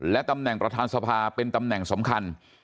ตำแหน่งประธานสภาเป็นตำแหน่งสำคัญ